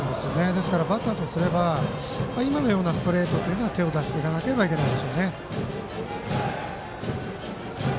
ですからバッターとすれば今のようなストレートには手を出していけなければいけないでしょう。